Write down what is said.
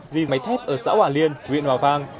di máy thép ở xã hòa liên huyện hòa vang